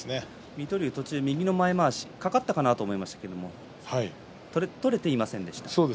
水戸龍、途中右の前まわしかかったかな？と思ったんですが取れてはいませんでした。